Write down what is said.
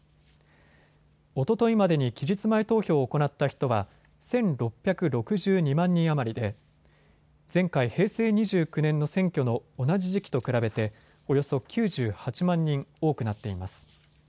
おとといまでに期日前投票を行った人は１６６２万人余りで前回、平成２９年の選挙の同じ時期と比べておよそ９８万人多くなっています。